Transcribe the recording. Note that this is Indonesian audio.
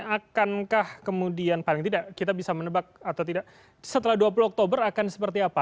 akankah kemudian paling tidak kita bisa menebak atau tidak setelah dua puluh oktober akan seperti apa